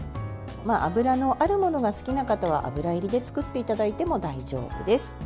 油のあるものが好きな方は油入りで作っていただいても大丈夫です。